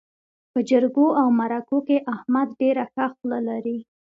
په جرګو او مرکو کې احمد ډېره ښه خوله لري.